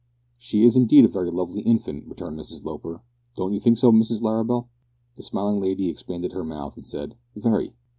"She is indeed a very lovely infant," returned Mrs Loper. "Don't you think so, Mrs Larrabel?" The smiling lady expanded her mouth, and said, "very."